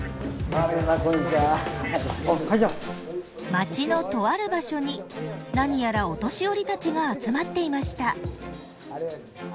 町のとある場所に何やらお年寄りたちが集まっていました。